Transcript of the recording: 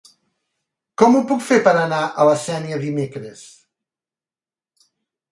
Com ho puc fer per anar a la Sénia dimecres?